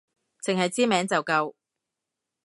淨係知名就夠